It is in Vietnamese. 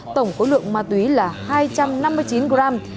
tổng khối lượng ma túy là hai trăm năm mươi chín gram